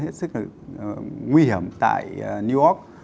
hết sức là nguy hiểm tại new york